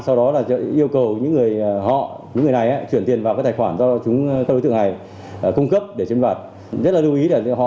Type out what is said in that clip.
sau đó là yêu cầu những người họ những người này chuyển tiền vào các tài khoản do các đối tượng này cung cấp để chiếm đoạt